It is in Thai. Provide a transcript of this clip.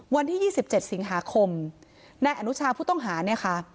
วันที่๒๗สิงหาคมนายอนุชาผู้ต้องหาเนี่ยค่ะ